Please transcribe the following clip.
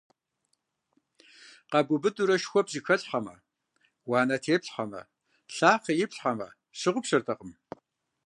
Къэбубыдрэ шхуэ пщӀэхэплъхьэмэ, уанэ теплъхьэмэ, лъахъэ иплъхьэмэ, щыгъупщэртэкъым.